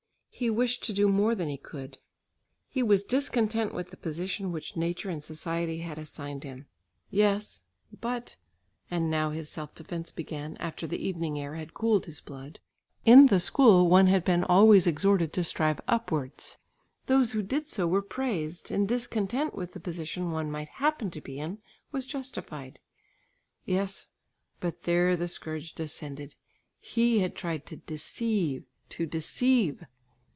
He wished to do more than he could. He was discontent with the position which nature and society had assigned him. Yes, but (and now his self defence began after the evening air had cooled his blood), in the school one had been always exhorted to strive upwards; those who did so were praised, and discontent with the position one might happen to be in, was justified. Yes but (here the scourge descended!) he had tried to deceive. To deceive!